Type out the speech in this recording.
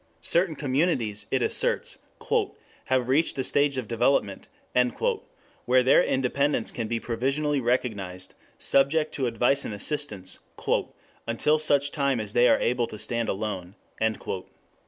Certain communities, it asserts, "have reached a stage of development" where their independence can be provisionally recognized, subject to advice and assistance "until such time as they are able to stand alone."